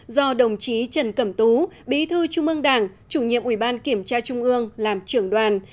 do đồng chí trần cẩm tú bí thư trung ương đảng chủ nhiệm ủy ban kiểm tra trung ương làm trưởng đoàn